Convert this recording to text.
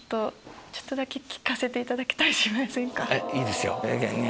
いいですよ。